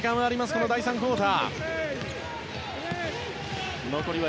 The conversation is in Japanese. この第３クオーター。